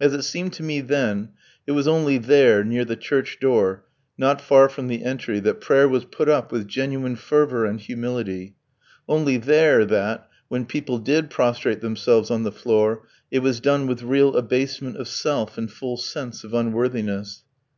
As it seemed to me then, it was only there, near the church door, not far from the entry, that prayer was put up with genuine fervour and humility, only there that, when people did prostrate themselves on the floor it was done with real abasement of self and full sense of unworthiness.